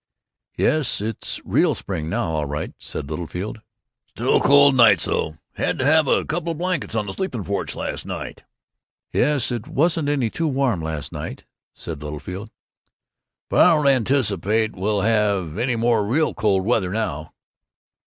"Yes, it's real spring now, all right," said Littlefield. "Still cold nights, though. Had to have a couple blankets, on the sleeping porch last night." "Yes, it wasn't any too warm last night," said Littlefield. "But I don't anticipate we'll have any more real cold weather now."